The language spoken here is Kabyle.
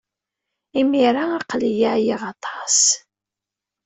Imir-a, aql-iyi ɛyiɣ aṭas.